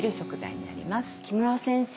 木村先生